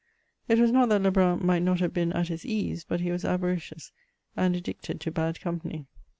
It was not that Lebrun might not have been at his ease, but he was avaricious, and addicted to bad company.